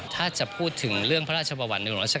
ถ้าจะพูดถึงเรื่องพระราชบาวัล๑รศ๙